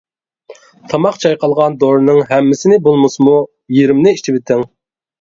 تاماق چايقالغان دورىنىڭ ھەممىسىنى بولمىسىمۇ، يېرىمىنى ئېچىۋېتىڭ.